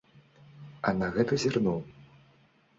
А на гэту зірнуў.